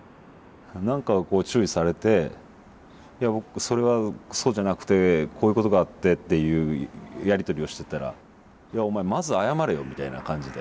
何かこう注意されてそれはそうじゃなくてこういうことがあってっていうやり取りをしてたらいやお前まず謝れよみたいな感じで。